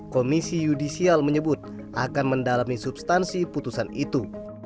komisi yudisial menyebut akan mendalami substansi putusan itu